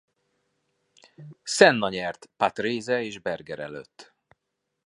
Senna nyert Patrese és Berger előtt.